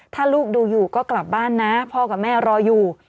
ถ้าลูกดูอยู่ก็กลับบ้านนะพ่อกับแม่รออยู่